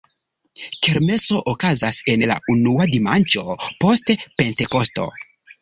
Kermeso okazas en la unua dimanĉo post Pentekosto.